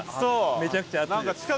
めちゃくちゃ熱いです。